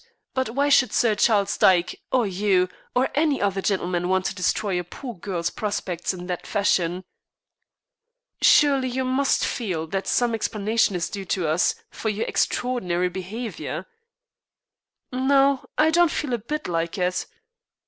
But why should Sir Charles Dyke, or you, or any other gentleman, want to destroy a poor girl's prospects in that fashion?" "Surely, you must feel that some explanation is due to us for your extraordinary behavior?" "No, I don't feel a bit like it."